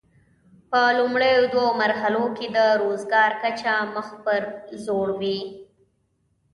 په لومړیو دوو مرحلو کې د روزګار کچه مخ پر ځوړ وي.